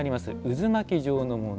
渦巻き状のもの。